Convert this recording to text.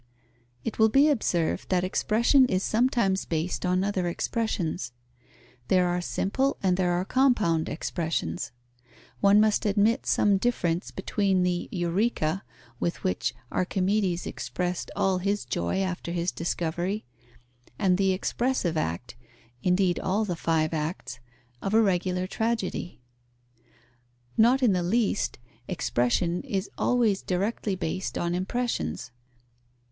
It will be observed that expression is sometimes based on other expressions. There are simple and there are compound expressions. One must admit some difference between the eureka, with which Archimedes expressed all his joy after his discovery, and the expressive act (indeed all the five acts) of a regular tragedy. Not in the least: expression is always directly based on impressions.